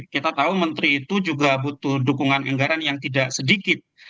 kita tahu menteri itu juga butuh dukungan anggaran yang tidak sedikit